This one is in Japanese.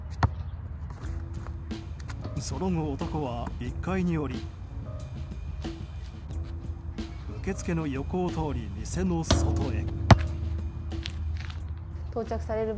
その後、男は１階に下り受け付けの横を通り店の外へ。